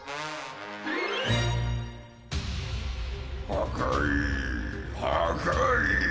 破壊破壊！